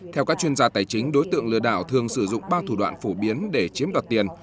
theo các chuyên gia tài chính đối tượng lừa đảo thường sử dụng ba thủ đoạn phổ biến để chiếm đoạt tiền